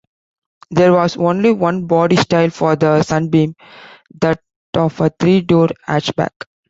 There was only one body style for the Sunbeam, that of a three-door hatchback.